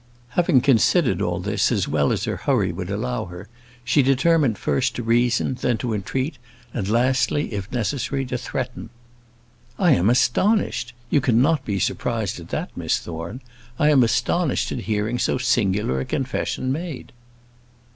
Having considered all this as well as her hurry would allow her, she determined first to reason, then to entreat, and lastly, if necessary, to threaten. "I am astonished! you cannot be surprised at that, Miss Thorne: I am astonished at hearing so singular a confession made."